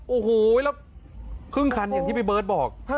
โอ้โหแล้วครึ่งคันอย่างที่พี่เบิร์ตบอก